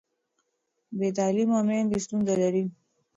بې تعلیمه میندې ستونزه لري.